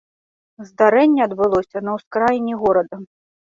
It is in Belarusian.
Здарэнне адбылося на ўскраіне горада.